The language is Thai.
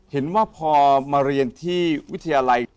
เห็นว่าพอมาเรียนที่วิทยาลัย